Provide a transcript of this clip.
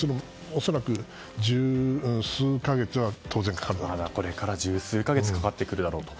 恐らく、十数か月はまだこれから十数か月はかかってくるだろうと。